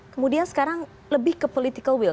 kemudian sekarang lebih ke political will